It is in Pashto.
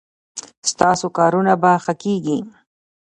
ستاسو کارونه به ښه کیږي